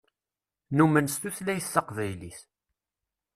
Numen s tutlayt taqbaylit.